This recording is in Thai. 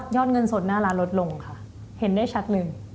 อดเงินสดหน้าร้านลดลงค่ะเห็นได้ชัดเลย